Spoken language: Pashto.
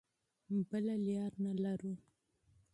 بله لاره نه لرو.